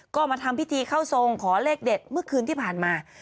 ก็มาทำพิธีเข้าทรงขอเลขเด็ดเมื่อคืนที่ผ่านมา